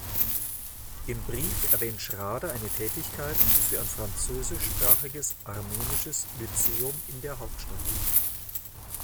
Im Brief erwähnt Schrader eine Tätigkeit für ein französischsprachiges armenisches Lyzeum in der Hauptstadt.